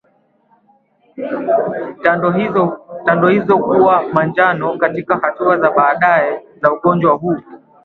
Tando hizo kuwa manjano katika hatua za baadaye za ugonjwa huu